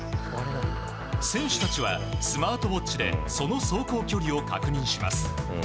選手たちはスマートウォッチでその走行距離を確認します。